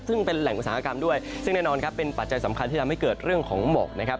ซึ่งเป็นแหล่งอุตสาหกรรมด้วยซึ่งแน่นอนครับเป็นปัจจัยสำคัญที่ทำให้เกิดเรื่องของหมอกนะครับ